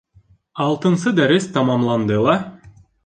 Алтынсы дәрес тамамланды ла.